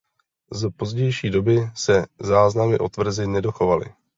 Z pozdější doby se záznamy o tvrzi nedochovaly.